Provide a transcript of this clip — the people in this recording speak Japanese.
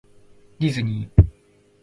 ディズニー